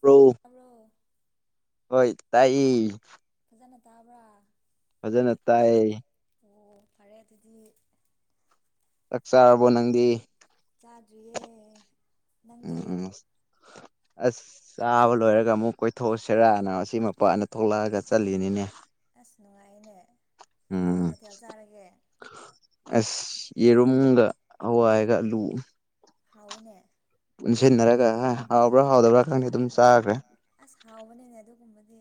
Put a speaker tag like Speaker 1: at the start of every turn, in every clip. Speaker 1: Bro
Speaker 2: ꯇꯥꯕ꯭ꯔꯣ
Speaker 1: ꯍꯣꯏ ꯇꯥꯏꯑꯦ
Speaker 2: ꯐꯖꯟꯅ ꯇꯥꯕ꯭ꯔꯥ
Speaker 1: ꯐꯖꯟꯅ ꯇꯥꯏ
Speaker 2: ꯑꯣ ꯐꯔꯦ ꯑꯗꯨꯗꯤ
Speaker 1: ꯆꯥꯛ ꯆꯥꯔꯕꯣ ꯅꯪꯗꯤ
Speaker 2: ꯆꯥꯗ꯭ꯔꯤꯌꯦ ꯅꯪꯗꯤ
Speaker 1: ꯎꯝ ꯑꯁ ꯆꯥꯕ ꯂꯣꯏꯔꯒ ꯑꯃꯨꯛ ꯀꯣꯏꯊꯣꯛꯎꯁꯤꯔꯥꯅ ꯑꯁꯤ ꯃꯄꯥꯟꯗ ꯊꯣꯛꯂꯛꯑꯒ ꯆꯠꯂꯤꯅꯤꯅꯦ
Speaker 2: ꯑꯁ ꯅꯨꯡꯉꯥꯏꯌꯦꯅꯦ ꯀꯔꯤ
Speaker 1: ꯎꯝ
Speaker 2: ꯃꯊꯦꯜ ꯆꯥꯔꯒꯦ
Speaker 1: ꯑꯁ ꯌꯦꯔꯨꯝꯒ ꯍꯋꯥꯏꯒ ꯑꯂꯨ
Speaker 2: ꯍꯥꯎꯋꯦꯅꯦ
Speaker 1: ꯄꯨꯟꯁꯤꯟꯅꯔꯒ ꯍꯥ ꯍꯥꯎꯕ꯭ꯔꯥ ꯍꯥꯎꯗꯕ꯭ꯔꯥ ꯈꯪꯗꯦ ꯑꯗꯨꯝ ꯆꯥꯈ꯭ꯔꯦ
Speaker 2: ꯑꯁ ꯍꯥꯎꯕꯅꯤꯅꯦ ꯑꯗꯨꯒꯨꯝꯕꯗꯤ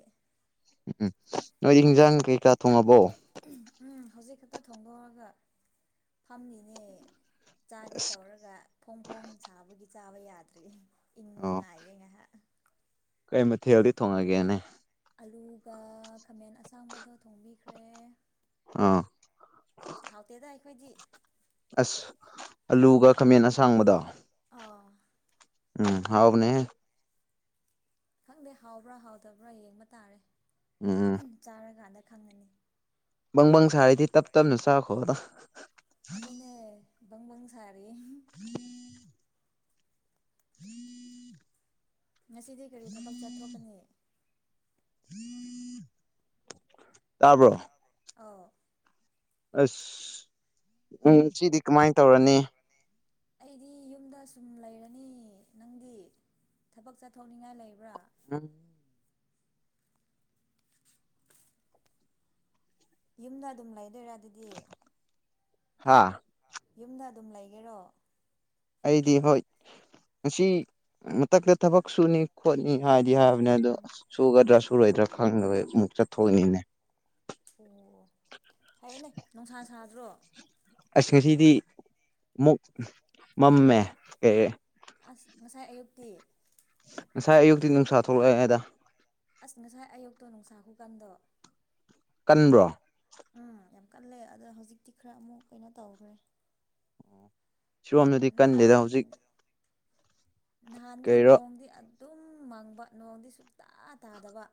Speaker 1: ꯎꯝ ꯅꯣꯏꯗꯤ ꯍꯤꯟꯖꯥꯡ ꯀꯩꯀꯥ ꯊꯣꯡꯉꯕꯣ
Speaker 2: [unintelligible] ꯎꯝ ꯍꯧꯖꯤꯛ ꯈꯛꯇ ꯊꯣꯡꯗꯣꯛꯑꯒ ꯐꯝꯃꯤꯅꯦ ꯆꯥꯒꯦ
Speaker 1: ꯑꯁ
Speaker 2: ꯇꯧꯔꯒ ꯐꯣꯡ ꯐꯣꯡ ꯁꯥꯕꯒꯤ ꯆꯥꯕ ꯌꯥꯗ꯭ꯔꯤ ꯏꯪꯕ
Speaker 1: ꯑꯣ
Speaker 2: ꯉꯥꯏꯒꯦ ꯉꯥꯏꯍꯥꯛ
Speaker 1: ꯀꯩ ꯃꯊꯦꯜꯗꯤ ꯊꯣꯡꯉꯒꯦꯅꯦ
Speaker 2: ꯑꯂꯨꯒ ꯈꯥꯃꯦꯟ ꯑꯁꯥꯡꯕꯗꯣ ꯊꯣꯡꯕꯤꯈ꯭ꯔꯦ
Speaker 1: ꯑꯥ
Speaker 2: ꯍꯥꯎꯇꯦꯗ ꯑꯩꯈꯣꯏꯗꯤ
Speaker 1: ꯑꯁ ꯑꯂꯨꯒ ꯈꯥꯃꯦꯟ ꯑꯁꯥꯡꯕꯗꯣ
Speaker 2: ꯑꯥ
Speaker 1: ꯎꯝ ꯍꯥꯎꯕꯅꯦꯍꯦ
Speaker 2: ꯈꯪꯗꯦ ꯍꯥꯎꯕ꯭ꯔꯥ ꯍꯥꯎꯇꯕ꯭ꯔꯥ ꯌꯦꯡꯕ ꯇꯥꯔꯦ
Speaker 1: ꯎꯝ ꯎꯝ
Speaker 2: [unintelligible] ꯆꯥꯔꯀꯥꯟꯗ ꯈꯪꯉꯅꯤ
Speaker 1: ꯕꯪꯕꯪ ꯁꯥꯔꯤꯗꯤ ꯇꯞ ꯇꯞꯅ ꯆꯥꯈꯣ ꯗ
Speaker 2: ꯑꯗꯨꯅꯦ ꯕꯪꯕꯪ ꯁꯥꯔꯤ
Speaker 1: [inaudible] [inaudible]
Speaker 2: ꯉꯁꯤꯗꯤ ꯀꯔꯤ ꯊꯕꯛ ꯆꯠꯊꯣꯛꯀꯅꯤ
Speaker 1: ꯇꯥꯕꯔꯣ
Speaker 2: ꯑꯥꯎ
Speaker 1: ꯑꯁ ꯎꯝ ꯁꯤ
Speaker 2: ꯁꯤꯗꯤ ꯀꯃꯥꯏ ꯇꯧꯔꯅꯤ ꯑꯩꯗꯤ ꯌꯨꯝꯗ ꯑꯁꯨꯝ ꯂꯩꯔꯅꯤ ꯅꯪꯗꯤ ꯊꯕꯛ ꯆꯠꯊꯣꯛꯅꯤꯡꯉꯥꯏ ꯂꯩꯕ꯭ꯔꯥ
Speaker 1: ꯎ
Speaker 2: ꯌꯨꯝꯗ ꯑꯗꯨꯝ ꯂꯩꯗꯣꯏꯔ ꯑꯗꯨꯗꯤ
Speaker 1: ꯍꯥꯥ
Speaker 2: ꯌꯨꯝꯗ ꯑꯗꯨꯝ ꯂꯩꯒꯦꯔꯣ
Speaker 1: ꯑꯩꯗꯤ ꯍꯣꯏ ꯃꯁꯤ ꯃꯊꯛꯇ ꯊꯕꯛ ꯁꯨꯅꯤ ꯈꯣꯠꯅꯤ ꯍꯥꯏꯗꯤ ꯍꯥꯏꯕꯅꯦ ꯑꯗꯣ ꯁꯨꯒꯗ꯭ꯔꯥ ꯁꯨꯔꯣꯏꯗ꯭ꯔꯥ ꯈꯪꯗꯕ ꯑꯃꯨꯛ ꯆꯠꯊꯣꯛꯏꯅꯤꯅꯦ
Speaker 2: ꯑꯣ ꯍꯥꯏꯌꯦꯅꯦ ꯅꯨꯡꯁꯥ ꯁꯥꯗ꯭ꯔꯣ
Speaker 1: ꯑꯁ ꯉꯁꯤꯗꯤ ꯃꯨꯛ ꯃꯥꯝꯃꯦ ꯀꯩꯌꯦ
Speaker 2: ꯑꯁ ꯉꯁꯥꯏ ꯑꯌꯨꯛꯇꯤ
Speaker 1: ꯉꯁꯥꯏ ꯑꯌꯨꯛꯇꯤ ꯅꯨꯡꯁꯥ ꯊꯣꯛꯂꯛꯑꯦ ꯑꯗ
Speaker 2: ꯑꯁ ꯉꯁꯥꯏ ꯑꯌꯨꯛꯇꯣ ꯅꯨꯡꯁꯥ ꯈꯨꯀꯥꯟꯗꯣ
Speaker 1: ꯀꯟꯕ꯭ꯔꯣ
Speaker 2: ꯎꯝ ꯌꯥꯝ ꯀꯜꯂꯦ ꯑꯗꯣ ꯍꯧꯖꯤꯛꯇꯤ ꯈꯔ ꯑꯃꯨꯛ ꯀꯩꯅꯣ ꯇꯧꯈ꯭ꯔꯦ
Speaker 1: ꯁꯣꯝꯗꯗꯤ ꯀꯟꯗꯦꯗ
Speaker 2: ꯅꯍꯥꯟ
Speaker 1: ꯍꯧꯖꯤꯛ
Speaker 2: ꯅꯍꯥꯟꯗꯒꯤ
Speaker 1: ꯀꯩꯔꯣ
Speaker 2: ꯅꯣꯡꯗꯤ ꯑꯗꯨꯝ ꯃꯪꯕ ꯅꯣꯡꯗꯤ ꯁꯨꯛꯇ ꯇꯥꯗꯕ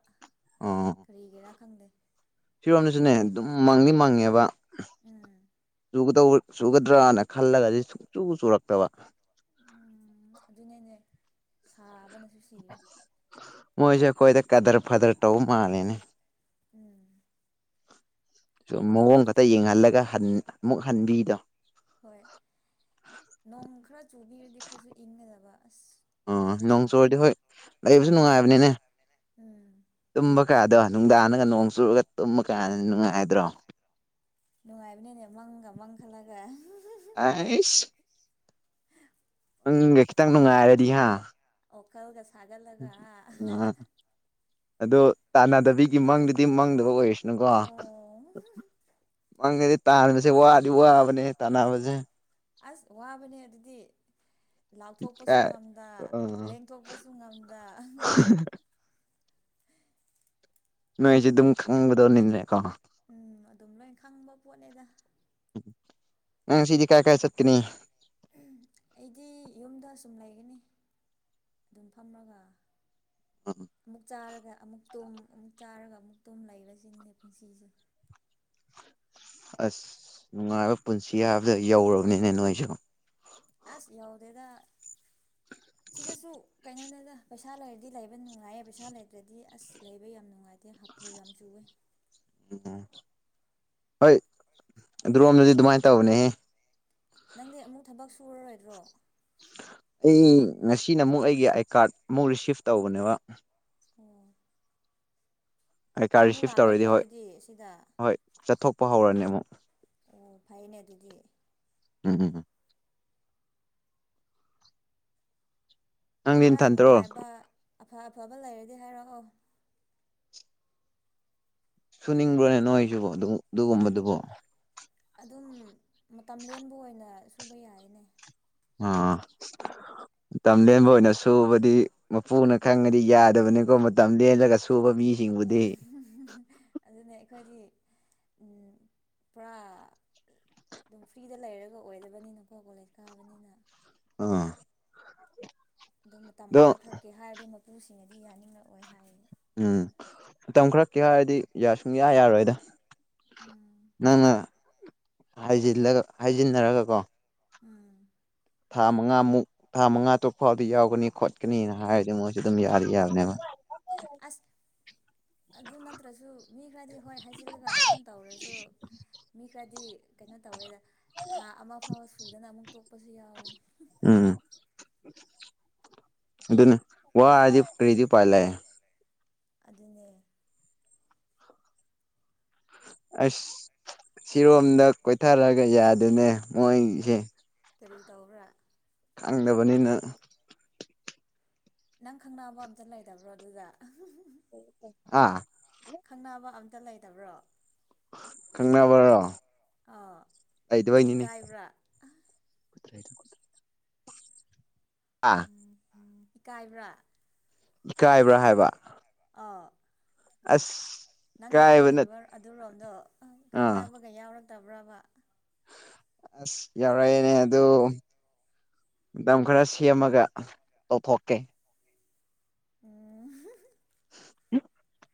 Speaker 1: ꯑꯣ
Speaker 2: ꯀꯔꯤꯒꯤꯔꯥ ꯈꯪꯗꯦ
Speaker 1: ꯐꯤꯔꯣꯝꯗꯁꯨꯅꯦ ꯑꯗꯨꯝ ꯃꯪꯗꯤ ꯃꯪꯉꯦꯕ
Speaker 2: ꯎꯝ
Speaker 1: ꯆꯨꯒꯗꯧ ꯆꯨꯒꯗ꯭ꯔꯅ ꯈꯜꯂꯒꯗꯤ ꯁꯨꯡ ꯆꯨ ꯆꯨꯔꯛꯇꯕ
Speaker 2: ꯎꯝ ꯑꯗꯨꯅꯅꯦ ꯁꯥꯕꯅꯁꯨ ꯁꯤꯔꯦ
Speaker 1: ꯃꯣꯏꯁꯦꯑꯈꯣꯏꯗꯤ ꯀꯗꯔ ꯐꯗ꯭ꯔ ꯇꯧ ꯃꯥꯜꯂꯦꯅꯦ
Speaker 2: ꯎꯝ
Speaker 1: ꯁꯨꯝ ꯃꯑꯣꯡ ꯈꯛꯇ ꯌꯦꯡꯍꯜꯂꯒ ꯍꯟ ꯑꯃꯨꯛ ꯍꯟꯕꯤꯗꯣ
Speaker 2: ꯍꯣꯏ ꯅꯣꯡ ꯈꯔ ꯆꯨꯕꯤꯔꯗꯤ ꯈꯔꯁꯨ ꯏꯪꯒꯗꯕ ꯑꯁ
Speaker 1: ꯑꯣ
Speaker 2: ꯌꯥꯗ꯭ꯔꯦ
Speaker 1: ꯅꯣꯡ ꯆꯣꯔꯗꯤ
Speaker 2: ꯁꯥꯕꯅ
Speaker 1: ꯍꯣꯏ ꯂꯩꯕꯁꯨ ꯅꯨꯡꯉꯥꯏꯕꯅꯤꯅꯦ
Speaker 2: ꯎꯝ
Speaker 1: ꯇꯨꯝꯕ ꯀꯌꯥꯗꯣ ꯅꯨꯡꯗꯥꯡꯗꯒ ꯅꯣꯡ ꯆꯨꯔꯒ ꯇꯨꯝꯕ ꯀꯌꯥꯅ ꯅꯨꯡꯉꯥꯏꯗ꯭ꯔꯣ
Speaker 2: ꯅꯨꯡꯉꯥꯏꯕꯅꯤꯅꯦ ꯃꯪꯒ ꯃꯪ ꯈꯜꯂꯒ
Speaker 1: ꯑꯁ ꯅꯪꯒ ꯈꯤꯇꯪ ꯅꯨꯡꯉꯥꯏꯔꯗꯤ ꯍꯥ
Speaker 2: ꯑꯣꯈꯜꯒ ꯁꯥꯒꯠꯂꯒ ꯍꯥ
Speaker 1: ꯑ ꯑꯗꯣ ꯇꯥꯟꯅꯗꯕꯤꯒꯤ ꯃꯪꯗꯨꯗꯤ ꯃꯪꯗꯕ ꯑꯣꯏꯔꯤꯁꯅꯨꯀꯣ
Speaker 2: ꯑꯣ
Speaker 1: ꯃꯥꯡꯗꯗꯤ ꯇꯥꯟꯕꯁꯦ ꯋꯥꯗꯤ ꯋꯥꯕꯅꯦꯍꯦ ꯇꯥꯟꯅꯕꯁꯦ
Speaker 2: ꯑꯁ ꯋꯥꯕꯅꯦ ꯑꯗꯨꯗꯤ ꯂꯥꯎꯊꯣꯛꯄꯁꯨ
Speaker 1: ꯀꯥꯏ
Speaker 2: ꯉꯝꯗ
Speaker 1: ꯑꯥ
Speaker 2: ꯂꯦꯡꯊꯣꯛꯄꯁꯨ ꯉꯝꯗ
Speaker 1: ꯅꯣꯏꯖꯦ ꯑꯗꯨꯝ ꯈꯪꯉꯝꯒꯗꯧꯅꯤꯅꯦꯀꯣ
Speaker 2: ꯎꯝ ꯑꯗꯨꯝ ꯂꯣꯏ ꯈꯪꯕ ꯄꯣꯠꯅꯦꯗ꯫
Speaker 1: ꯅꯪ ꯉꯁꯤꯗꯤ ꯀꯥꯏ ꯀꯥꯏ ꯆꯠꯀꯅꯤ?
Speaker 2: ꯑꯩꯗꯤ ꯌꯨꯝꯗ ꯁꯨꯝ ꯂꯩꯒꯅꯤ ꯑꯗꯨꯝ ꯐꯝꯃꯒ꯫ ꯑꯃꯨꯛ ꯆꯥꯔꯒ ꯑꯃꯨꯛ ꯇꯨꯝ ꯑꯃꯨꯛ ꯆꯥꯔꯒ ꯑꯃꯨꯛ ꯇꯨꯝ ꯂꯩꯕꯁꯤꯅꯤꯅꯦ ꯄꯨꯟꯁꯤꯁꯦ꯫
Speaker 1: ꯑꯁ ꯅꯨꯡꯉꯥꯏꯕ ꯄꯨꯟꯁꯤ ꯍꯥꯏꯕꯗ ꯌꯧꯔꯕꯅꯤꯅꯦ ꯅꯣꯏꯁꯤ꯫
Speaker 2: ꯑꯁ ꯌꯥꯎꯗꯦꯗ ꯁꯤꯗꯁꯨ ꯀꯩꯅꯣꯅꯦꯗ ꯄꯩꯁꯥ ꯂꯩꯔꯗꯤ ꯂꯩꯕ ꯅꯨꯡꯉꯥꯏꯌꯦ ꯄꯩꯁꯥ ꯂꯩꯇ꯭ꯔꯗꯤ ꯑꯁ ꯂꯩꯕ ꯌꯥꯝ ꯅꯨꯡꯉꯥꯏ ꯇꯦ ꯍꯥꯄꯨ ꯌꯥꯝ ꯆꯨꯋꯦ꯫
Speaker 1: ꯎꯝ ꯍꯣꯏ ꯑꯗꯨꯔꯣꯝꯗꯗꯤ ꯑꯗꯨꯃꯥꯏ ꯇꯧꯕꯅꯦꯍꯦ꯫
Speaker 2: ꯅꯪꯗꯤ ꯑꯃꯨꯛ ꯊꯕꯛ ꯁꯨꯔꯔꯣꯏꯗ꯭ꯔꯣ?
Speaker 1: ꯑꯩ ꯉꯁꯤꯅ ꯑꯃꯨꯛ ꯑꯩꯒꯤ ꯑꯥꯏ ꯀꯥꯔꯠ ꯑꯃꯨꯛ ꯔꯤꯁꯤꯞ ꯇꯧꯕꯅꯦꯕ꯫
Speaker 2: ꯑꯣ
Speaker 1: ꯑꯥꯏ ꯀꯥꯔꯗ
Speaker 2: ꯑꯃꯨꯛ
Speaker 1: ꯔꯤꯁꯤꯞ
Speaker 2: ꯂꯥꯛꯀꯗ꯭ꯔꯥ
Speaker 1: ꯇꯧꯔꯗꯤ ꯍꯣꯏ
Speaker 2: ꯑꯗꯨꯗꯤ ꯁꯤꯗ
Speaker 1: ꯍꯣꯏ ꯆꯠꯊꯣꯛꯄ ꯍꯧꯔꯅꯤ ꯑꯃꯨꯛ꯫
Speaker 2: ꯑꯣ ꯐꯩꯅꯦ ꯑꯗꯨꯗꯤ꯫
Speaker 1: ꯎꯝ ꯎꯝ ꯅꯪꯗꯤ
Speaker 2: ꯈꯔ
Speaker 1: ꯅꯊꯟꯇ꯭ꯔꯣ
Speaker 2: ꯅꯨꯡꯉꯥꯏꯕ ꯑꯐ ꯑꯐꯕ ꯂꯩꯔꯗꯤ ꯍꯥꯏꯔꯛꯑꯣ꯫
Speaker 1: ꯁꯨꯅꯤꯡꯕ꯭ꯔꯣꯅꯦ ꯅꯣꯏ ꯑꯩꯁꯤꯕꯣ ꯑꯗꯨ ꯑꯗꯨꯒꯨꯝꯕꯗꯨꯕꯣ
Speaker 2: ꯑꯗꯨꯝ ꯃꯇꯝ ꯂꯦꯟꯕ ꯑꯣꯏꯅ ꯁꯨꯕ ꯌꯥꯏꯅꯦ꯫
Speaker 1: ꯑꯥ ꯇꯝꯂꯦꯟꯕ ꯑꯣꯏꯅ ꯁꯨꯕꯗꯤ ꯃꯄꯨꯅ ꯈꯪꯉꯗꯤ ꯌꯥ ꯗꯕꯅꯤꯀꯣ ꯃꯇꯝ ꯂꯦꯜꯂꯒ ꯁꯨꯕ ꯃꯤꯁꯤꯡ
Speaker 2: [unintelligible] ꯑꯗꯨꯅꯦ ꯑꯩꯈꯣꯏꯗꯤ ꯎꯝ ꯄꯨꯔꯥ ꯑꯗꯨꯝ ꯐ꯭ꯔꯤꯗ ꯂꯩꯔꯒ ꯑꯣꯏꯗꯕꯅꯤꯅꯀꯣ ꯀꯣꯂꯦꯖ ꯀꯥꯕꯅꯤꯅ
Speaker 1: ꯑꯥ
Speaker 2: ꯑꯗꯣ ꯃꯇꯝ ꯈꯔ ꯈꯛꯀꯤ ꯍꯥꯏꯔꯗꯤ ꯃꯄꯨꯁꯤꯡꯅꯗꯤ ꯌꯥꯅꯤꯡꯉꯛꯑꯣꯏ ꯍꯥꯏꯌꯦ꯫
Speaker 1: ꯎꯝ ꯃꯇꯝ ꯈꯔꯀꯤ ꯍꯥꯏꯔꯗꯤ ꯌꯥ ꯁꯨꯡꯌꯥ ꯌꯥꯔꯣꯏꯗ
Speaker 2: ꯎꯝ
Speaker 1: ꯅꯪꯅ ꯍꯥꯏꯖꯤꯜꯂꯒ ꯍꯥꯏꯖꯤꯟꯅꯔꯒ ꯀꯣ
Speaker 2: ꯎꯝ
Speaker 1: ꯊꯥ ꯃꯉꯥꯃꯨꯛ ꯊꯥ ꯃꯉꯥ ꯇꯔꯨꯛ ꯐꯥꯎꯕꯗꯤ ꯌꯥꯎꯒꯅꯤ ꯈꯣꯠꯀꯅꯤꯅ ꯍꯥꯏꯔꯗꯤ ꯃꯣꯏꯁꯨ ꯑꯗꯨꯝ ꯌꯥꯗꯤ ꯌꯥꯕꯅꯦꯕ꯫
Speaker 2: ꯑꯁ ꯑꯗꯨ ꯅꯠꯇ꯭ꯔꯁꯨ ꯃꯤ ꯈꯔꯗꯤ ꯍꯣꯏ ꯍꯥꯏꯖꯤꯜꯂꯒ ꯑꯗꯨꯝ ꯇꯧꯔꯁꯨ ꯃꯤ ꯈꯔꯗꯤ ꯀꯩꯅꯣ ꯇꯧꯋꯦꯗ ꯊꯥ ꯑꯃ ꯐꯥꯎ ꯁꯨꯗꯅ ꯑꯃꯨꯛ ꯇꯣꯛꯄꯁꯨ ꯌꯥꯎꯕꯅꯤ꯫
Speaker 1: ꯎꯝ ꯑꯗꯨꯅꯤ ꯋꯥꯖꯤ
Speaker 2: [unintelligible] ꯑꯗꯨꯅꯦ
Speaker 1: ꯑꯁ ꯁꯤꯔꯣꯝꯗ ꯀꯣꯏꯊꯔꯒ ꯌꯥꯗꯅꯦ ꯃꯣꯏꯁꯦ
Speaker 2: ꯀꯔꯤ ꯇꯧꯕ꯭ꯔꯥ?
Speaker 1: ꯈꯪꯗꯕꯅꯤꯅ
Speaker 2: ꯅꯪ ꯈꯪꯅꯕ ꯑꯝꯇ ꯂꯩꯇꯕ꯭ꯔꯣ ꯑꯗꯨꯗ?
Speaker 1: ꯑꯥ
Speaker 2: ꯈꯪꯅꯕ ꯑꯝꯇ ꯂꯩꯇꯕ꯭ꯔꯣ?
Speaker 1: ꯈꯪꯅꯕ꯭ꯔꯣ
Speaker 2: ꯑꯥ
Speaker 1: ꯂꯩꯇꯕꯒꯤꯅꯤ
Speaker 2: ꯏꯀꯥꯏꯕ꯭ꯔꯥ
Speaker 1: [unintelligible] ꯑꯥ
Speaker 2: ꯏꯀꯥꯏꯕ꯭ꯔꯥ?
Speaker 1: ꯏꯀꯥꯏꯕ꯭ꯔꯥ ꯍꯥꯏꯕ
Speaker 2: [unintelligible] ꯑꯥ
Speaker 1: ꯑꯁ
Speaker 2: ꯅꯪꯅ
Speaker 1: ꯏꯀꯥꯏꯕ ꯅꯠ
Speaker 2: ꯀꯣꯏꯔꯤꯕ ꯑꯗꯨꯔꯣꯝꯗꯣ ꯑꯥ ꯈꯪꯅꯕꯒ ꯌꯥꯎꯔꯛꯇꯕ꯭ꯔꯕ
Speaker 1: ꯑꯁ ꯌꯥꯎꯔꯛꯑꯦꯅꯦ ꯑꯗꯨ ꯃꯇꯝ ꯈꯔ ꯁꯦꯝꯃꯒ ꯇꯧꯊꯣꯛꯀꯦ
Speaker 2: ꯑꯥ
Speaker 1: [unintelligible]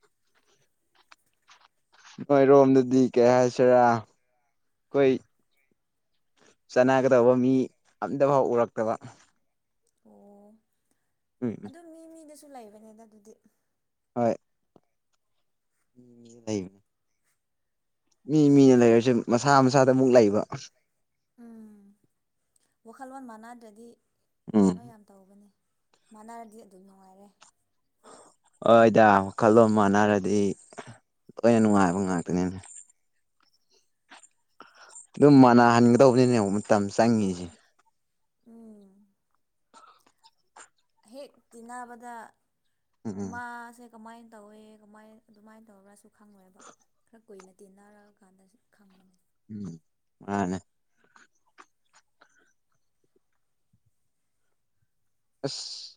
Speaker 1: ꯅꯣꯏꯔꯣꯝꯗꯥꯗꯤ ꯀꯩ ꯍꯥꯏꯁꯤꯔꯥ ꯈꯣꯏ ꯆꯥꯅꯒꯥꯗꯧꯕꯥ ꯃꯤ ꯑꯝꯇꯥꯐꯥꯎ ꯎꯔꯛꯇꯥꯕ
Speaker 2: ꯑꯣ
Speaker 1: ꯎꯝ
Speaker 2: ꯑꯗꯨ ꯃꯤ ꯃꯤꯗꯥꯁꯨ ꯂꯩꯕꯅꯤꯗꯥ ꯗꯨꯗꯤ
Speaker 1: ꯍꯣꯏ [unintelligible] ꯃꯤ ꯃꯤꯅ ꯂꯩꯔꯥꯁꯨ ꯃꯁꯥ ꯃꯁꯥꯗ ꯑꯃꯨꯛ ꯂꯩꯕ
Speaker 2: ꯎꯝ ꯋꯥꯈꯜꯂꯣꯟ ꯃꯥꯟꯅꯗ꯭ꯔꯥꯗꯤ
Speaker 1: ꯎꯝ
Speaker 2: ꯀꯩꯅꯣ ꯌꯥꯝ ꯇꯧꯕꯅ‌ꯦ ꯃꯥꯥꯟꯅꯥꯔꯗꯤ ꯑꯗꯨꯝ ꯅꯨꯡꯉꯥꯏꯔ‌ꯦ
Speaker 1: ꯍꯣꯏꯗꯥ ꯋꯥꯈꯜꯂꯣꯟ ꯃꯥꯟꯅꯔꯥꯗꯤ ꯂꯣꯏꯅ ꯅꯨꯡꯉꯥꯏꯕ ꯉꯥꯛꯇꯥꯅꯤꯗ ꯑꯗꯨꯝ ꯃꯥꯟꯅꯥ ꯍꯟꯒꯗꯧꯕꯅꯤꯅꯦ ꯃꯇꯝ ꯆꯪꯉꯤꯁ‌ꯦ
Speaker 2: ꯎꯝ ꯍꯦꯛ ꯇꯤꯟꯅꯥꯕꯗ
Speaker 1: ꯎꯝ
Speaker 2: ꯃꯥꯁꯦ ꯀꯃꯥꯏꯟ ꯇꯧꯋꯦ ꯀꯃꯥꯏ ꯑꯗꯨꯃꯥꯏꯟ ꯇꯧꯕꯔꯥꯁꯨ ꯈꯪꯉꯣꯏꯕ ꯈꯔꯥ ꯀꯨꯏꯅ ꯇꯤꯟꯅꯔꯥ ꯀꯥꯟꯗꯁꯨ ꯈꯪꯕꯅ‌ꯦ
Speaker 1: ꯎꯝ ꯃꯥꯅꯦ ꯑꯁ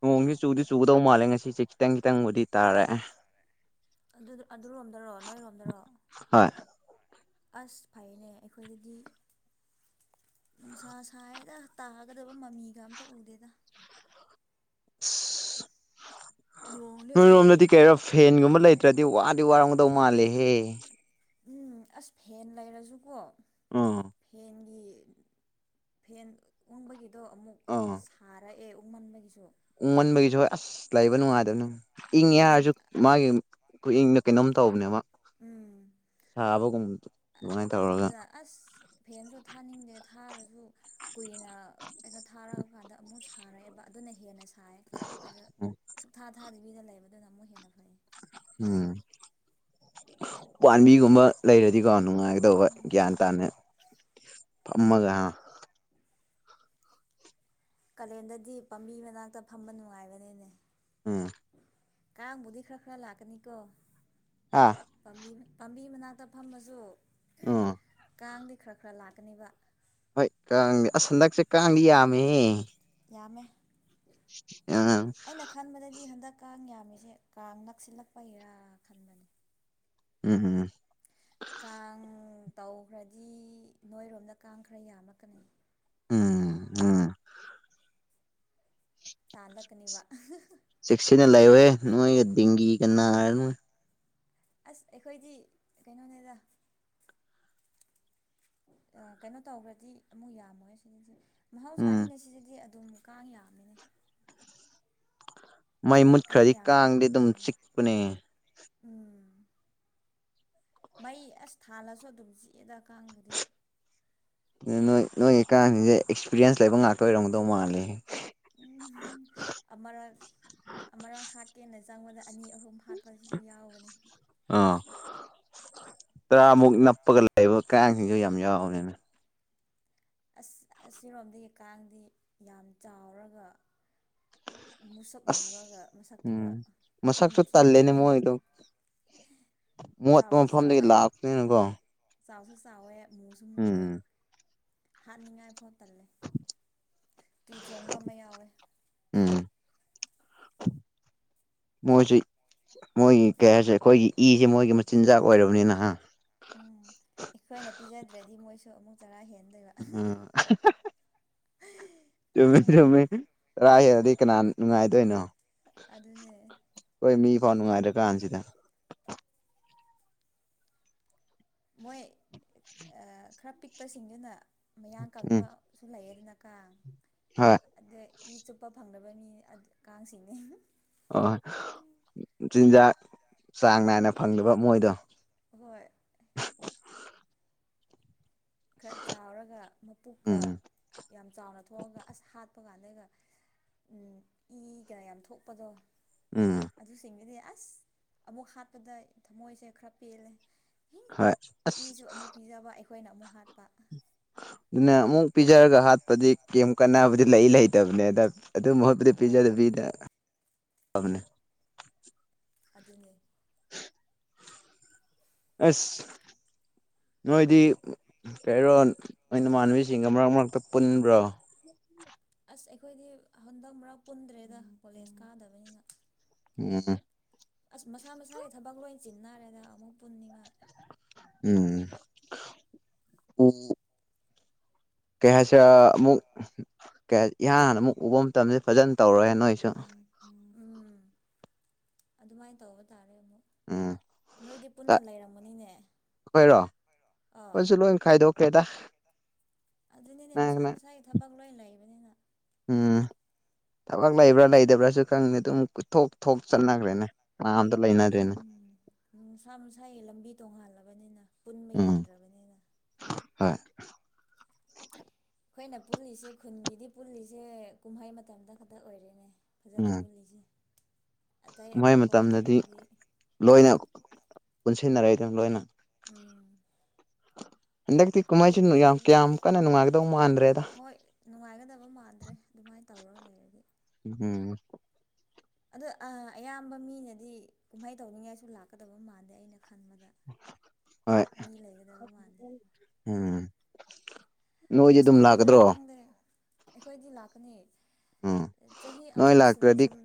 Speaker 1: ꯅꯣꯡꯁꯦ ꯆꯨꯗꯤ ꯆꯨꯒꯗꯧ ꯃꯥꯜꯂꯦ ꯉꯁꯤꯁꯦ ꯈꯤꯇꯪ ꯈꯤꯇꯪꯕꯨꯗꯤ ꯇꯥꯔꯑꯦ
Speaker 2: ꯑꯗꯨ ꯑꯗꯨꯔꯣꯝꯗꯥꯔꯣ ꯅꯣꯏꯔꯣꯝꯗꯥꯔꯣ
Speaker 1: ꯍꯣꯏ
Speaker 2: ꯍ‌ꯣꯏ ꯑꯁ ꯐꯩꯅꯦ ꯑꯩꯈꯣꯏꯗꯥꯗꯤ ꯅꯨꯡꯁꯥ ꯁꯥꯏꯌꯦꯗꯥ ꯇꯥꯒꯗꯥꯕ ꯃꯥꯃꯤꯒ ꯑꯝꯇꯥ ꯎꯗꯦꯗꯥ
Speaker 1: ꯑꯁ
Speaker 2: ꯅꯣꯡꯗꯤ ꯑꯗꯨꯝ
Speaker 1: ꯅꯣꯏꯔꯣꯝꯗꯥꯗꯤ ꯀꯦꯔꯣ ꯐꯦꯟꯒꯨꯝꯕ ꯂꯩꯇ꯭ꯔꯥꯗꯤ ꯋꯥꯗꯤ ꯋꯥꯔꯝꯒꯗꯧ ꯃꯥꯜꯂꯦꯍꯦ
Speaker 2: ꯎꯝ ꯑꯁ ꯐꯦꯟ ꯂꯩꯔꯥꯁꯨꯀꯣ
Speaker 1: ꯑꯥ
Speaker 2: ꯐꯦꯟꯒꯤ ꯐꯦꯟ ꯎꯪꯕꯒꯤꯗꯣ ꯑꯃꯨꯛ
Speaker 1: ꯑꯥ
Speaker 2: ꯁꯥꯔꯛꯑꯦ ꯎꯪꯃꯟꯕꯒꯤꯁꯨ
Speaker 1: ꯎꯪꯃꯟꯕꯒꯤꯁꯨ ꯑꯁ ꯂꯩꯕ ꯅꯨꯡꯉꯥꯏꯗꯥꯕꯅꯦ ꯏꯪꯉꯦ
Speaker 2: ꯎꯝ
Speaker 1: ꯍꯥꯏꯔꯖꯨ ꯃꯥꯒꯤ ꯈꯨꯏꯪꯗꯣ ꯀꯩꯅꯣꯝ ꯇꯧꯕꯅꯦꯕ
Speaker 2: ꯎꯝ
Speaker 1: ꯁꯥꯕꯒꯨꯝꯕꯗ ꯑꯗꯨꯃꯥꯏꯟ ꯇꯧꯔꯥꯒ
Speaker 2: ꯑꯗꯨꯅ ꯑꯁ ꯐꯦꯟꯁꯨ ꯊꯥꯅꯤꯡꯗꯦ ꯊꯥꯔꯖꯨ ꯀꯨꯏꯅ ꯀꯩꯅꯣ ꯊꯥꯔꯛꯑꯥ ꯀꯥꯟꯗ ꯑꯃꯨꯛ ꯁꯥꯔꯑꯦꯕ ꯑꯗꯨꯅ ꯍꯦꯟꯅ ꯁ ꯁꯥꯏ ꯑꯗꯨ ꯁꯨꯛꯊꯥ ꯊꯥꯗꯕꯤꯗꯥ ꯂꯩꯕꯗꯨꯅ ꯑꯃꯨꯛ ꯍꯦꯟꯅ ꯐꯩ
Speaker 1: ꯎꯝ ꯎꯄꯥꯟꯕꯤ ꯒꯨꯝꯕ ꯂꯩꯔꯥꯗꯤꯀꯣ ꯅꯨꯡꯉꯥꯏꯒꯥꯗꯧꯕ ꯒ꯭ꯌꯥꯟ ꯇꯥꯅ ꯐꯝꯃꯥꯒ ꯍꯥ
Speaker 2: ꯀꯥꯂꯦꯟꯗꯥꯗꯤ ꯄꯥꯝꯕꯤ ꯃꯅꯥꯛꯇꯥ ꯐꯝꯕ ꯅꯨꯡꯉꯥꯏꯕꯅꯤꯅꯦ
Speaker 1: ꯎꯝ
Speaker 2: ꯀꯥꯡꯕꯨꯗꯤ ꯈꯔꯥ ꯈꯔꯥ ꯂꯥꯛꯀꯥꯅꯤꯀꯣ
Speaker 1: ꯑꯥ
Speaker 2: ꯄꯥꯝꯕꯤ ꯄꯥꯝꯕꯤ ꯃꯅꯥꯛꯇ ꯐꯝꯃꯥꯁꯨ
Speaker 1: ꯎꯝ
Speaker 2: ꯀꯥꯡꯗꯤ ꯈꯔꯥ ꯈꯔꯥ ꯂꯥꯛꯀꯥꯅꯤꯕ
Speaker 1: ꯍꯣꯏ ꯀꯥꯡꯗꯤ ꯑꯁ ꯍꯟꯗꯛꯁꯦ ꯀꯥꯡꯗꯤ ꯌꯥꯝꯃꯦꯍꯦ
Speaker 2: ꯌꯥꯝꯃꯦ
Speaker 1: ꯑꯥ
Speaker 2: ꯑꯩꯅ ꯈꯟꯕꯥꯗꯥꯗ ꯗꯤ ꯍꯟꯗꯛ ꯀꯥꯡ ꯌꯥꯝꯃꯤꯁꯦ ꯀꯥꯡ ꯅꯛꯁꯤꯜꯂꯛꯄꯒꯤꯔꯥ ꯈꯟꯕꯟ
Speaker 1: ꯎꯝ
Speaker 2: ꯀꯥꯡ ꯇꯧꯈ꯭ꯔꯗꯤ ꯅꯣꯏꯔꯣꯝꯗꯥ ꯀꯥꯡ ꯈꯔꯥ ꯌꯥꯝꯃꯛꯀꯅꯤ
Speaker 1: ꯎꯝ ꯎꯝ
Speaker 2: ꯇꯥꯟꯂꯛꯀꯅꯤꯕ
Speaker 1: ꯆꯦꯛꯁꯤꯟꯅ ꯂꯩꯌꯨꯍꯦ ꯅꯣꯏꯒꯥ ꯗꯦꯡꯒꯤꯒ ꯅꯥꯔꯅꯥ
Speaker 2: ꯑꯁ ꯑꯩꯈꯣꯏꯗꯤ ꯀꯩꯅꯣꯅꯦꯗꯥ ꯑꯥ ꯀꯩꯅꯣ ꯇꯧꯈ꯭ꯔꯗꯤ ꯑꯃꯨꯛ ꯌꯥꯝꯃꯣꯏ ꯁꯤꯗꯥꯖꯨ
Speaker 1: ꯎꯝ
Speaker 2: ꯃꯍꯧꯁꯥꯅꯤꯅꯦ ꯁꯤꯗꯗꯤ ꯑꯗꯨꯝ ꯀꯥꯡ ꯌꯥꯝꯃꯤꯅꯦ
Speaker 1: ꯃꯩ
Speaker 2: ꯀꯥꯡ
Speaker 1: ꯃꯨꯠꯈ꯭ꯔꯗꯤ
Speaker 2: ꯌꯥꯝꯕ
Speaker 1: ꯀꯥꯡꯗꯤ ꯑꯗꯨꯝ
Speaker 2: ꯃꯐꯝꯅꯤꯅꯦ
Speaker 1: ꯆꯤꯛꯄꯅꯦ
Speaker 2: ꯎꯝ ꯃꯩ ꯑꯁ ꯊꯥꯜꯂꯥꯁꯨ ꯑꯗꯨꯝ ꯆꯤꯛꯑꯦꯗꯥ ꯀꯥꯡꯕꯨꯗꯤ
Speaker 1: ꯅꯣꯏ ꯅꯣꯏꯒꯤ ꯀꯥꯡꯁꯤꯡꯁꯦ ꯑꯦꯛꯁꯄꯤꯔꯤꯌꯦꯟꯁ ꯂꯩꯕ ꯉꯥꯛꯇꯥ ꯑꯣꯏꯔꯝꯒꯗꯧ ꯃꯥꯜꯂꯦꯍꯦ
Speaker 2: ꯑꯃꯔꯛ ꯑꯃꯔꯛ ꯍꯥꯠꯀꯦꯅ ꯆꯪꯕꯗ ꯑꯅꯤ ꯑꯍꯨꯝ ꯍꯥꯠꯄꯁꯤꯁꯨ ꯌꯥꯎꯕꯅꯦ
Speaker 1: ꯑꯥ ꯇꯔꯥꯃꯨꯛ ꯅꯞꯄꯒ ꯂꯩꯕ ꯀꯥꯡꯁꯤꯡꯁꯨ ꯌꯥꯝ ꯌꯥꯎꯕꯅꯤꯅꯦ
Speaker 2: ꯑꯁ ꯑꯁꯤꯔꯣꯝꯗꯒꯤ ꯀꯥꯡꯗꯤ ꯌꯥꯝ ꯆꯥꯎꯔꯒ ꯃꯨꯁꯛ
Speaker 1: ꯑꯁ
Speaker 2: ꯃꯨꯔꯒ
Speaker 1: ꯎꯝ
Speaker 2: ꯃꯁꯛꯇꯨꯒ
Speaker 1: ꯃꯁꯛꯁꯨ
Speaker 2: ꯃꯨꯊꯤ
Speaker 1: ꯇꯜꯂꯦꯅꯦ
Speaker 2: ꯃꯥꯜꯂꯦ
Speaker 1: ꯃꯣꯏꯗꯣ ꯃꯣꯠꯞ
Speaker 2: ꯆꯥꯎꯁꯨ
Speaker 1: ꯃꯐꯝꯗꯒꯤ
Speaker 2: ꯆꯥꯎꯋꯦ
Speaker 1: ꯂꯥꯛꯄꯅꯤꯅꯀꯣ
Speaker 2: ꯆꯥꯎꯁꯨ ꯆꯥꯎꯋꯦ ꯃꯨꯁꯨ ꯃꯨꯋꯦ
Speaker 1: ꯎꯝ
Speaker 2: ꯍꯥꯠꯅꯤꯡꯉꯥꯏꯐꯣ ꯇꯜꯂꯦ ꯇꯨ ꯆꯣꯡꯕ ꯑꯃ ꯌꯥꯎꯋꯦ
Speaker 1: ꯎꯝ ꯃꯣꯏꯁꯤ ꯃꯣꯏꯒꯤ ꯀꯩ ꯍꯥꯏꯁꯦ ꯑꯩꯈꯣꯏꯒꯤ ꯏꯁꯦ ꯃꯣꯏꯒꯤ ꯃꯆꯤꯟꯖꯥꯛ ꯑꯣꯏꯔꯕꯅꯤꯅ ꯍꯥ
Speaker 2: ꯎꯝ ꯑꯩꯈꯣꯏꯅ ꯄꯤꯖꯗ꯭ꯔꯗꯤ ꯃꯣꯏꯁꯨ ꯑꯃꯨꯛ ꯆꯔꯥ ꯍꯦꯟ
Speaker 1: [unintelligible]
Speaker 2: [inaudible]
Speaker 1: ꯆꯨꯝꯃꯦ ꯆꯨꯝꯃꯦ ꯆꯔꯥ ꯍꯦꯜꯂꯗꯤ ꯀꯅꯥꯅ ꯅꯨꯡꯉꯥꯏꯗꯣꯏꯅꯣ
Speaker 2: ꯑꯗꯨꯅꯦ
Speaker 1: ꯈꯣꯏ ꯃꯤ ꯐꯥꯎ ꯅꯨꯡꯉꯥꯏ ꯇ꯭ꯔꯀꯥꯟꯁꯤꯗ
Speaker 2: ꯃꯣꯏ ꯑ ꯈꯔ ꯄꯤꯛꯄꯁꯤꯡꯗꯨꯅ ꯃꯌꯥꯡ
Speaker 1: ꯎꯝ
Speaker 2: ꯀꯪꯕ ꯄꯁꯨ ꯂꯩꯌꯦꯗꯅꯥ ꯀꯥꯡ
Speaker 1: ꯍꯣꯏ
Speaker 2: ꯑꯗꯩ ꯏ ꯆꯨꯞꯄ ꯐꯪꯗꯕ ꯃꯤꯅꯦ ꯑꯗꯨ ꯀꯥꯡꯁꯤꯡꯅꯦ
Speaker 1: ꯑꯣꯏ ꯆꯤꯟꯖꯥꯛ ꯆꯥꯡ ꯅꯥꯏꯅ ꯐꯪꯗꯕ ꯃꯣꯏꯗꯣ
Speaker 2: ꯍꯣꯏ ꯈꯔ ꯆꯥꯎꯔꯒ ꯃꯄꯨꯛꯀ
Speaker 1: ꯎꯝ
Speaker 2: ꯌꯥꯝ ꯆꯥꯎꯅ ꯊꯣꯛꯑꯒ ꯑꯁ ꯍꯥꯠꯄ ꯀꯥꯟꯗꯩꯒ ꯎꯝ ꯏꯒ ꯌꯥꯝ ꯊꯣꯛꯄꯗꯣ
Speaker 1: ꯎꯝ
Speaker 2: ꯑꯗꯨꯁꯤꯡꯗꯨꯗꯤ ꯑꯁ ꯑꯃꯨꯛ ꯍꯥꯠꯄꯗ ꯊꯝꯃꯣꯏꯁꯦ ꯈꯔ ꯄꯦꯜꯂꯦ
Speaker 1: ꯍꯣꯏ ꯑꯁ
Speaker 2: ꯏꯁꯨ ꯑꯃꯨꯛ ꯄꯤꯖꯕ ꯑꯩꯈꯣꯏꯅ ꯑꯃꯨꯛ ꯍꯥꯠꯄ
Speaker 1: ꯑꯗꯨꯅ ꯑꯃꯨꯛ ꯄꯤꯖꯔꯒ ꯍꯥꯠꯄꯗꯤ ꯀꯩꯝ ꯀꯥꯟꯅꯕꯗꯤ ꯂꯩ ꯂꯩꯇꯕꯅꯦ ꯑꯗ ꯑꯗꯨ ꯃꯍꯨꯠꯇꯗꯤ
Speaker 2: ꯍꯣꯏ
Speaker 1: ꯄꯤꯖꯗꯕꯤꯗ ꯐꯕꯅꯦ
Speaker 2: ꯑꯗꯨꯅꯦ
Speaker 1: ꯑꯁ ꯅꯣꯏꯗꯤ ꯀꯩꯔꯣꯟ ꯅꯣꯏ ꯅꯃꯥꯟꯅꯕꯤꯁꯤꯡꯒ ꯃꯔꯛ ꯃꯔꯛꯇ ꯄꯨꯟꯕ꯭ꯔꯣ
Speaker 2: ꯑꯁ ꯑꯩꯈꯣꯏꯗꯤ ꯍꯟꯗꯛ ꯃꯔꯛ ꯄꯨꯟꯗ꯭ꯔꯦꯗ ꯀꯣꯂꯦꯖ ꯀꯥꯗꯕꯅꯤꯅ
Speaker 1: [unintelligible]
Speaker 2: ꯑꯁ ꯃꯁꯥ ꯃꯁꯥꯒꯤ ꯊꯕꯛ ꯂꯣꯏ ꯆꯤꯟꯅꯔꯦꯗ ꯑꯃꯨꯛ ꯄꯨꯟꯅꯤꯡꯉꯥꯏ
Speaker 1: ꯎꯝ ꯎ ꯀꯩ ꯍꯥꯏꯁꯤꯔꯥ ꯑꯃꯨꯛ ꯀ ꯏꯍꯥꯟ ꯍꯥꯟꯅ ꯑꯃꯨꯛ ꯎꯕ ꯃꯇꯝꯗꯗꯤ ꯐꯖꯅ ꯇꯧꯔꯣꯏꯌꯦ
Speaker 2: ꯎꯝ ꯑꯗꯨꯃꯥꯏꯅ ꯇꯧꯕ ꯇꯥꯔꯦ ꯑꯃꯨꯛ
Speaker 1: ꯎꯝ
Speaker 2: ꯅꯣꯏꯗꯤ ꯄꯨꯟꯅ ꯂꯩꯔꯝꯒꯅꯤꯅꯦ
Speaker 1: ꯑꯩꯈꯣꯏꯔꯣ
Speaker 2: ꯑꯥ
Speaker 1: ꯑꯩꯈꯣꯏꯁꯨ ꯂꯣꯏ ꯈꯥꯏꯗꯣꯛꯈ꯭ꯔꯦꯗ
Speaker 2: ꯑꯗꯨꯅꯤꯅꯦ
Speaker 1: ꯅꯪꯅ
Speaker 2: ꯃꯁꯥ ꯃꯁꯥꯒꯤ ꯊꯕꯛ ꯂꯣꯏ ꯂꯩꯕꯅꯤꯅ
Speaker 1: ꯎꯝ ꯊꯕꯛ ꯂꯩꯕ꯭ꯔꯥ ꯂꯩꯇꯕ꯭ꯔꯥꯁꯨ ꯈꯪꯗꯦ ꯑꯗꯨꯝ ꯊꯣꯛ ꯊꯣꯛ ꯆꯠꯅꯈ꯭ꯔꯦꯅꯦ ꯀꯅꯥꯝꯇ ꯂꯩꯅꯗ꯭ꯔꯦꯅꯦ
Speaker 2: ꯎꯝ ꯃꯁꯥ ꯃꯁꯥꯒꯤ ꯂꯝꯕꯤ ꯇꯣꯡꯉꯥꯜꯂꯕꯅꯤꯅ ꯄꯨꯟꯕ
Speaker 1: ꯎꯝ
Speaker 2: ꯌꯥꯗ꯭ꯔꯕꯅꯤꯅ
Speaker 1: ꯍꯣꯏ
Speaker 2: ꯑꯩꯈꯣꯏꯅ ꯄꯨꯜꯂꯤꯁꯦ ꯈꯨꯟꯒꯤꯗꯤ ꯄꯨꯜꯂꯤꯁꯦ ꯀꯨꯝꯍꯩ ꯃꯇꯝꯗ ꯈꯛꯇ ꯑꯣꯏꯔꯦꯅꯦ ꯐꯖꯅ
Speaker 1: ꯎꯝ
Speaker 2: ꯄꯨꯜꯂꯤꯁꯦ ꯑꯇꯩ
Speaker 1: ꯀꯨꯝꯍꯩ
Speaker 2: ꯑꯇꯣꯞꯄ
Speaker 1: ꯃꯇꯝꯗꯗꯤ
Speaker 2: ꯃꯇꯝꯗꯒꯤ
Speaker 1: ꯂꯣꯏꯅ ꯄꯨꯟꯁꯤꯟꯅꯔꯦꯗ ꯂꯣꯏꯅ
Speaker 2: ꯎꯝ
Speaker 1: ꯍꯟꯗꯛꯇꯤ
Speaker 2: ꯑꯗꯨ
Speaker 1: ꯀꯨꯝꯍꯩꯁꯨ ꯌꯥꯝ
Speaker 2: ꯃꯇꯝꯗꯨꯗꯤ
Speaker 1: ꯀꯌꯥꯝ ꯀꯟꯅ ꯅꯨꯡꯉꯥꯏꯒꯗꯧ ꯃꯥꯟꯗ꯭ꯔꯦꯗ
Speaker 2: ꯍꯣꯏ ꯅꯨꯡꯉꯥꯏꯒꯗꯕ ꯃꯥꯟꯗ꯭ꯔꯦ ꯑꯗꯨꯃꯥꯏꯅ ꯇꯧꯔꯒ ꯂꯩꯔꯗꯤ
Speaker 1: ꯎꯝ
Speaker 2: ꯑꯗꯣ ꯑꯥ ꯑꯌꯥꯝꯕ ꯃꯤꯅꯗꯤ ꯀꯨꯝꯍꯩ ꯇꯧꯅꯤꯡꯉꯥꯏꯁꯨ ꯂꯥꯛꯀꯗꯕ ꯃꯥꯟꯗꯦ ꯑꯩꯅ ꯈꯟꯕꯗ
Speaker 1: ꯍꯣꯏ
Speaker 2: ꯃꯤ ꯂꯩꯒꯗꯕ ꯃꯥꯟꯗꯦ
Speaker 1: ꯎꯝ ꯅꯣꯏꯗꯤ
Speaker 2: ꯑꯁ
Speaker 1: ꯑꯗꯨꯝ
Speaker 2: ꯀꯔꯤꯒꯤꯔꯥ
Speaker 1: ꯂꯥꯛꯀꯗ꯭ꯔꯣ
Speaker 2: ꯈꯪꯗꯦ ꯑꯩꯈꯣꯏꯗꯤ ꯂꯥꯛꯀꯅꯤ
Speaker 1: ꯎꯝ
Speaker 2: ꯆꯍꯤ
Speaker 1: ꯅꯣꯏ
Speaker 2: ꯑꯃ ꯁꯨꯝ
Speaker 1: ꯂꯥꯛꯇ꯭ꯔꯗꯤ
Speaker 2: ꯁꯨꯝ